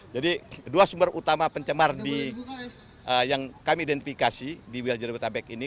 jadi dua sumber utama pencemaran yang kami identifikasi di wiljerewetabek ini